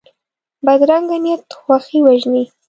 بدرنګه نیت خوښي وژني